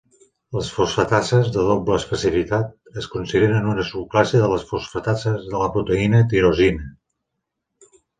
Les fosfatasses de doble especificitat es consideren una subclasse de les fosfatasses de la proteïna tirosina.